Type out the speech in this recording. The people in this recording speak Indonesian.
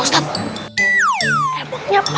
pak ustadz emangnya pak dumbes gak puasa